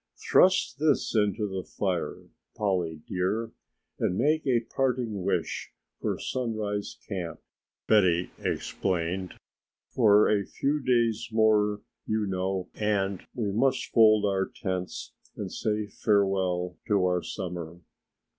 "Thrust this into the fire, Polly, dear, and make a parting wish for Sunrise Camp," Betty explained, "for a few days more you know, and we must fold our tents and say farewell to our summer."